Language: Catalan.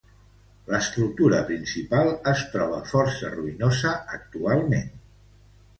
L'estructura principal es troba força ruïnosa actualment.